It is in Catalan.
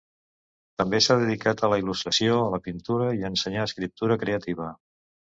També s'ha dedicat a la il·lustració, a la pintura i a ensenyar escriptura creativa.